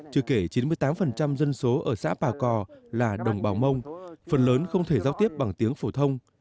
chưa kể chín mươi tám dân số ở xã bà cò là đồng bào mông phần lớn không thể giao tiếp bằng tiếng phổ thông